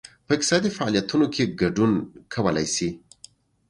په اقتصادي فعالیتونو کې ګډون کولای شي.